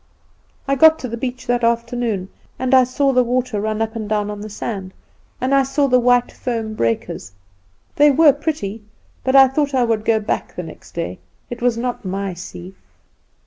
"I got to the beach that afternoon, and I saw the water run up and down on the sand, and I saw the white foam breakers; they were pretty, but I thought I would go back the next day. It was not my sea.